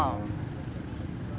si kemod masih sama si jama